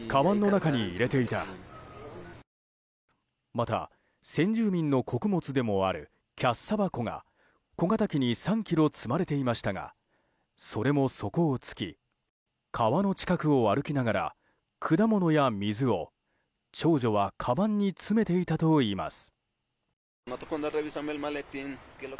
また、先住民の穀物であるキャッサバ粉が小型機に３ｋｇ積まれていましたがそれも底を尽き川の近くを歩きながら果物や水を、長女はかばんに詰めていたといいます。